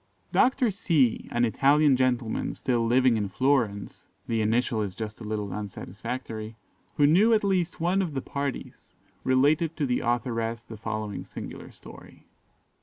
"Dr. C , an Italian gentleman still living in Florence (the initial is just a little unsatisfactory), who knew at least one of the parties, related to the authoress the following singular story.